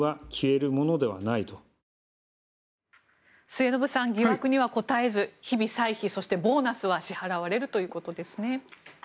末延さん、疑惑には答えず日々、歳費、そしてボーナスは支払われるということですね。